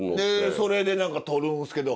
それで何か採るんですけど。